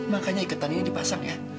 makanya iketannya dipasang ya